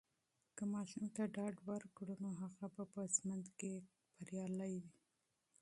که ماشوم ته ډاډ ورکړو، نو هغه به په ژوند کې کامیاب سي.